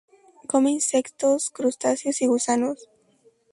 Come insectos, crustáceos y gusanos.